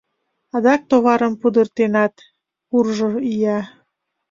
— Адак товарым пудыртенат, куржшо ия!..